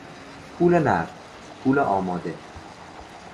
پول نقد، پول آماده